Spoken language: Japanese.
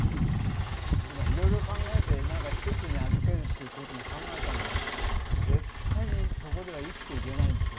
いろいろ考えてなんか施設に預けるっていう事も考えたんだけど絶対にそこでは生きていけないんですよね。